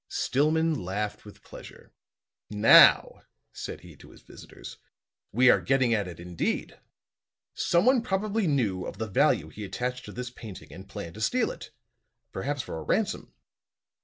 Stillman laughed with pleasure. "Now," said he to his visitors, "we are getting at it, indeed. Someone probably knew of the value he attached to this painting and planned to steal it, perhaps for a ransom.